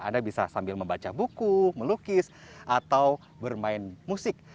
anda bisa sambil membaca buku melukis atau bermain musik